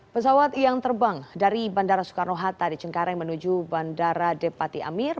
pesawat yang terbang dari bandara soekarno hatta di cengkareng menuju bandara depati amir